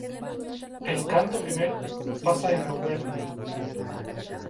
El "Canto I" pasa en Auvernia.